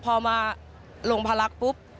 พอมาลงพลักษณ์ปุ๊บ